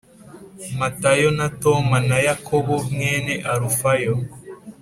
Matayo na Toma na Yakobo mwene Alufayo